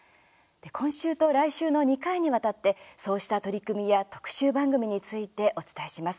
今週と来週の２回にわたってそうした取り組みや特集番組についてお伝えします。